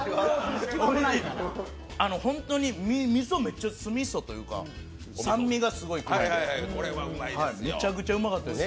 本当にみそは酢みそというか、酸味がすごい、めちゃくちゃうまかったです。